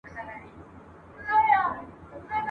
چي هر څومره یې خوړلای سوای د ده وه ..